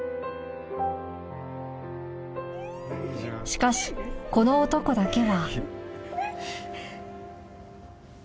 しかしこの男だけは